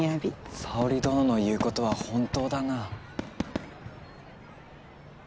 沙織殿の言うことは本当だな。